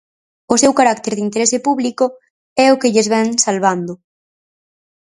O seu carácter de interese público é o que lles vén salvando.